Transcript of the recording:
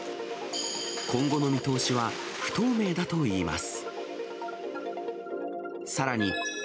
今後の見通しは不透明だといいます。